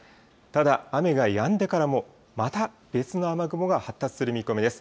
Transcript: ただ雨がやんでからも、また別の雨雲が発達する見込みです。